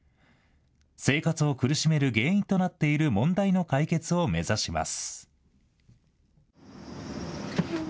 生活を苦しめる原因となっている問題の解決を目指します。